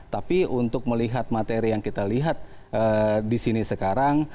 tapi untuk melihat materi yang kita lihat di sini sekarang